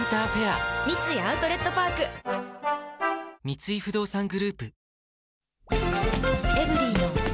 三井不動産グループ